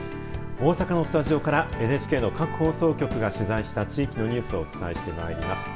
大阪のスタジオからＮＨＫの各放送局が取材した地域のニュースをお伝えしてまいります。